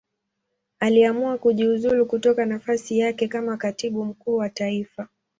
Aliamua kujiuzulu kutoka nafasi yake kama Katibu Mkuu wa Taifa.